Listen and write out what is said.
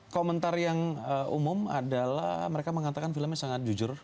komentar yang umum adalah mereka mengatakan filmnya sangat jujur